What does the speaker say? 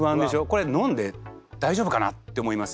これ飲んで大丈夫かなって思いますよね。